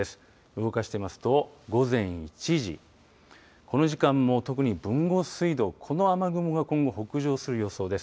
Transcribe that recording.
動かしてみますと午前１時この時間も特に豊後水道、この雨雲が今後北上する予想です。